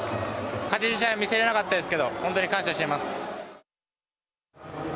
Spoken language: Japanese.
勝ち試合は見せれなかったですけど、本当に感謝しています。